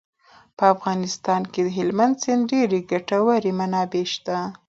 په افغانستان کې د هلمند سیند ډېرې ګټورې منابع شته.